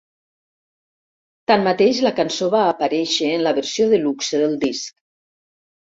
Tanmateix, la cançó va aparèixer en la versió de luxe del disc.